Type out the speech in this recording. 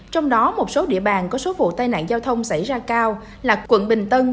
trong đó một số địa bàn có số vụ tai nạn giao thông xảy ra cao là quận bình tân